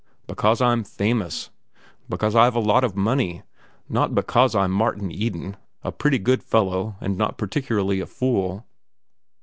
Because I'm famous; because I've a lot of money. Not because I'm Martin Eden, a pretty good fellow and not particularly a fool.